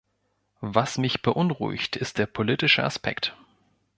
Was mich beunruhigt ist der politische Aspekt.